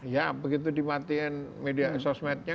ya begitu dimatiin media sosmednya